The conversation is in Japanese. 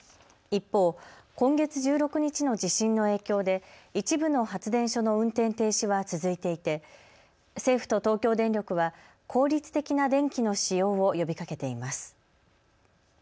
一方、今月１６日の地震の影響で一部の発電所の運転停止は続いていて政府と東京電力は効率的な電気の使用を呼びかけています。